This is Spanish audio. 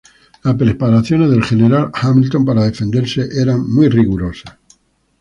Las preparaciones del general Hamilton para defenderse eran muy rigurosas.